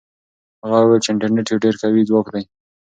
هغه وویل چې انټرنيټ یو ډېر قوي ځواک دی.